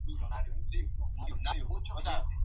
Por otro lado, a extramuros existían dos arrabales.